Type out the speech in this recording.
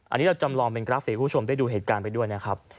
อันนี้เราจำลองเป็นกราฟิกคุณผู้ชมได้ดูเหตุการณ์ไปด้วยนะครับ